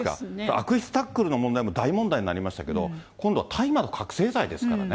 悪質タックルの問題も大問題になりましたけど、今度は大麻と覚醒剤ですからね。